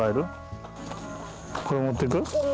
これ持ってく？